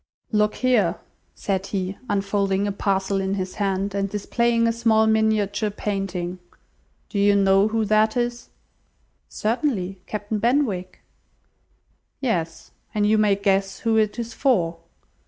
"Look here," said he, unfolding a parcel in his hand, and displaying a small miniature painting, "do you know who that is?" "Certainly: Captain Benwick." "Yes, and you may guess who it is for.